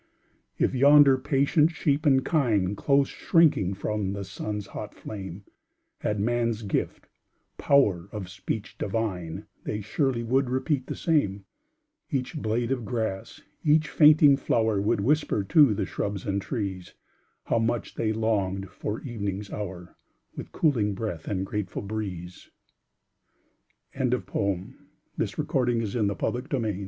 If yonder patient sheep and kine, Close shrinking from the sun's hot flame, Had man's gift "power of speech divine," They surely would repeat the same Each blade of grass, each fainting flower, Would whisper to the shrubs and trees, How much they longed for evening's hour, With cooling breath and grateful breeze. THE FALL OF THE LEAF. Earnest and sad the solemn tale That the